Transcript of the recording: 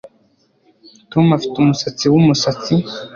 Tom afite umusatsi wumusatsi